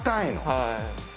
はい。